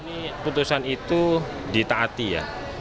ini putusan itu ditaati ya